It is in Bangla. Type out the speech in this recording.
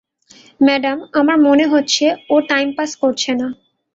ম্যাডাম, আমার মনে হচ্ছে ও টাইম পাস করছে না।